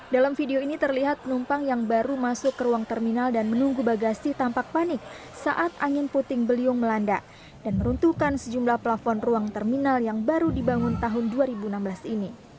dalam video ini terlihat penumpang yang baru masuk ke ruang terminal dan menunggu bagasi tampak panik saat angin puting beliung melanda dan meruntuhkan sejumlah plafon ruang terminal yang baru dibangun tahun dua ribu enam belas ini